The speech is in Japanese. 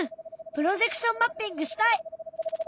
プロジェクションマッピングしたい！